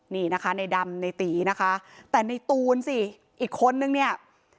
นี่นะคะในดำในตีนะคะแต่ในตูนสิอีกคนนึงเนี่ย